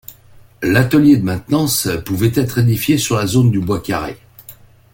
L'atelier de maintenance pouvait être édifié sur la zone du Bois Carré.